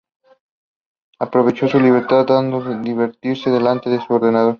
Aprovechando su libertad, Dan se divierte delante de su ordenador.